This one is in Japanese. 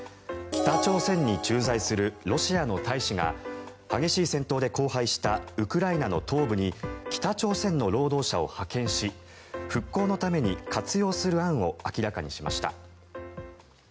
北朝鮮に駐在するロシアの大使が激しい戦闘で荒廃したウクライナの東部に北朝鮮の労働者を派遣し復興のために活用する案を明らかにしました。